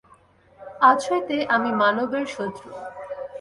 আজ হইতে আমি মানবের শত্রু।